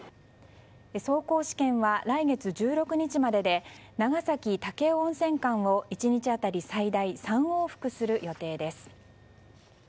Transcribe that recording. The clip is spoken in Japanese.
走行試験は来月１６日までで長崎武雄温泉間を１日当たり最大３往復する予定です。